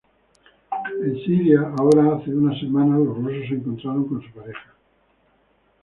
En Siria, ahora, hace unas semanas los rusos se encontraron con su pareja.